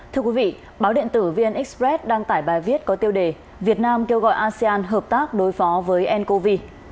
thưa quý vị báo điện tử vn express đăng tải bài viết có tiêu đề việt nam kêu gọi asean hợp tác đối phó với ncov